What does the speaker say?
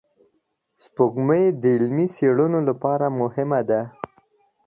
سپوږمۍ د علمي څېړنو لپاره مهمه ده